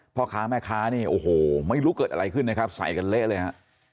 พ่อค้าแม่ค้านี่โอ้โหไม่รู้เกิดอะไรขึ้นนะครับใส่กันเละเลยฮะ